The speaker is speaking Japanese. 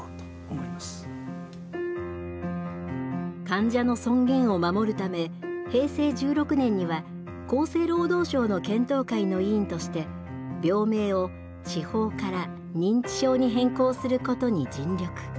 患者の尊厳を守るため平成１６年には厚生労働省の検討会の委員として病名を「痴ほう」から「認知症」に変更することに尽力。